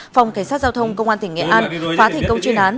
phòng cảnh sát giao thông công an tỉnh nghệ an phá thành công chuyên án